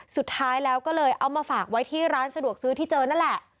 สุดท้ายแล้วก็เลยเอามาฝากไว้ที่ร้านสะดวกซื้อที่เจอนั่นแหละ